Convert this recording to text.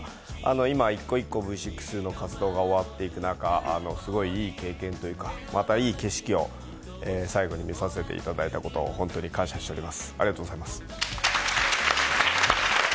今、１個１個、Ｖ６の活動が終わっていく中、すごいいい経験というか、またいい景色を最後に見させていただいたこと、本当に感謝しています。